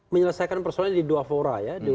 menyelesaikan persoalannya di dua fora ya